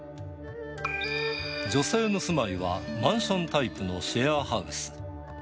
女性の住まいはマンションタイプのシェアハウス。